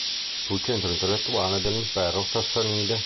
Fu il centro intellettuale dell'impero sassanide.